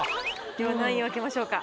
では何位を開けましょうか？